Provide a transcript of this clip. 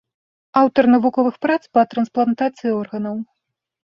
Аўтар навуковых прац па трансплантацыі органаў.